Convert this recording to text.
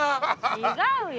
違うよ。